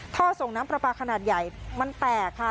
ท่อส่งน้ำปลาปลาขนาดใหญ่มันแตกค่ะ